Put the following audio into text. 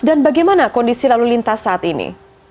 dan bagaimana kondisi lalu lintas saat ini